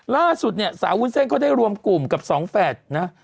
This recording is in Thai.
ล่าสุดเนี่ยสาววุ้นเส้นเขาได้รวมกลุ่มกับสองแฝดนะ